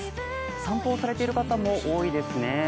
散歩をされている方も多いですね。